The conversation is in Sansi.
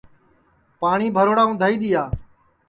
پاٹؔی بھروڑا اُندھائی دؔیا